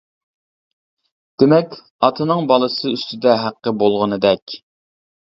دېمەك، ئاتىنىڭ بالىسى ئۈستىدە ھەققى بولغىنىدەك.